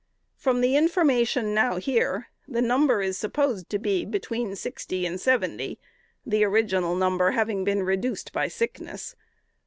From the information now here, the number is supposed to be between sixty and seventy, the original number having been reduced by sickness.